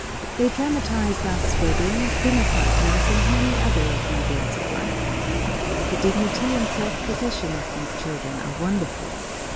They dramatise thus weddings, dinner parties, and many other of the events of life. The dignity and self possession of these children are wonderful.